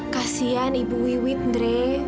kasian ibu wiwit ndre